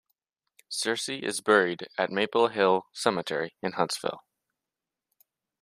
Searcy is buried at Maple Hill Cemetery in Huntsville.